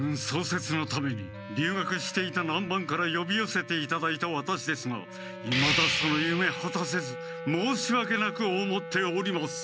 せつのためにりゅう学していた南蛮からよびよせていただいたワタシですがいまだそのゆめはたせず申しわけなく思っております。